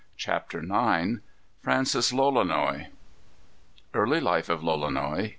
CHAPTER IX Francis Lolonois. Early Life of Lolonois.